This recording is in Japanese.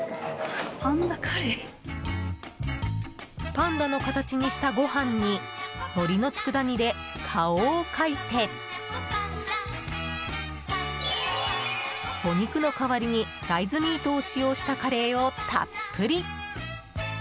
パンダの形にしたご飯にのりの佃煮で顔を描いてお肉の代わりに大豆ミートを使用したカレーをたっぷり！